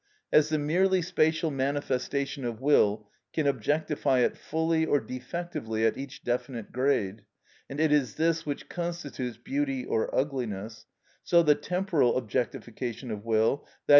As the merely spatial manifestation of will can objectify it fully or defectively at each definite grade,—and it is this which constitutes beauty or ugliness,—so the temporal objectification of will, _i.